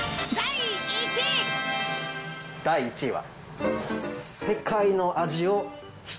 第１位は。え？